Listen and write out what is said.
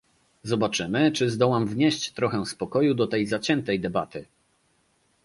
Zobaczymy, czy zdołam wnieść trochę spokoju do tej zaciętej debaty